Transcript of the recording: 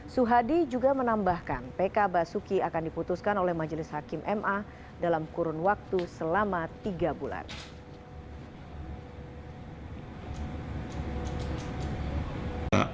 suhadi juga menambahkan pk basuki akan diputuskan oleh majelis hakim ma dalam kurun waktu selama tiga bulan